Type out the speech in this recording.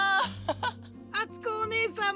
あつこおねえさんも！